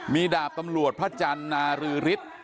มีดาบตำรวจพระจันทร์นารือฤทธิ์